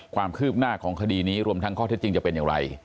ความคืบหน้าของคดีนี้รวมทั้งข้อเท็จจริงจะเป็นอย่างไร